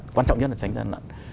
cái quan trọng nhất là tránh gian lận